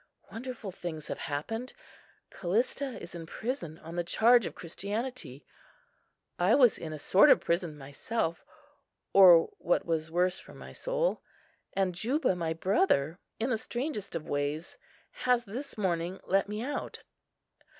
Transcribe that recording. Wonderful things have happened; Callista is in prison on the charge of Christianity; I was in a sort of prison myself, or what was worse for my soul; and Juba, my brother, in the strangest of ways, has this morning let me out.